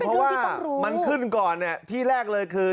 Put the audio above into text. เพราะว่ามันขึ้นก่อนที่แรกเลยคือ